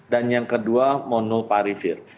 dan yang kedua monoparivir